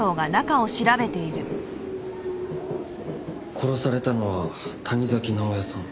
殺されたのは谷崎直哉さん。